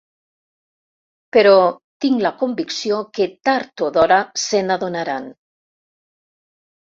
Però tinc la convicció que tard o d’hora se n’adonaran.